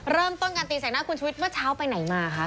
เริ่มต้นการตีแสงหน้าคุณชุวิตเมื่อเช้าไปไหนมาคะ